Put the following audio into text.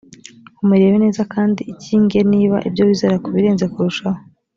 umerewe neza kandi icy ingeniba ibyo wizera ku birenzi kurushaho